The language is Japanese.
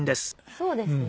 そうですね。